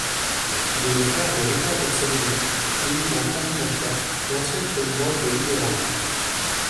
Il est le frère de Rita Borsellino, militante antimafia et ancienne présidente de Libera.